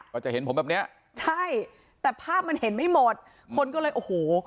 ก็จะเห็นผมแบบเนี้ยใช่แต่ภาพมันเห็นไม่หมดคนก็เลยโอ้โห